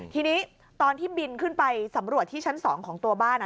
ทีนี้ตอนที่บินขึ้นไปสำรวจที่ชั้น๒ของตัวบ้าน